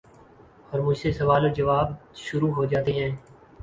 اور مجھ سے سوال جواب شروع ہو جاتے ہیں ۔